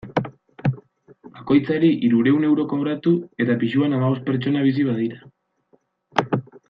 Bakoitzari hirurehun euro kobratu, eta pisuan hamabost pertsona bizi badira.